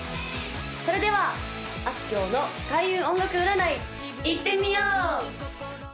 それではあすきょうの開運音楽占いいってみよう！